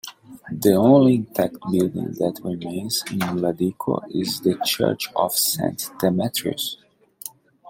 The only intact building that remains in Ladiko is the church of Saint Demetrius.